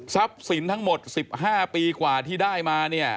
ทรัพย์สินทั้งหมด๑๕ปีกว่าที่ได้มา